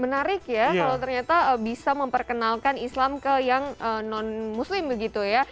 menarik ya kalau ternyata bisa memperkenalkan islam ke yang non muslim begitu ya